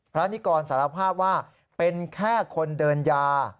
นิกรสารภาพว่าเป็นแค่คนเดินยา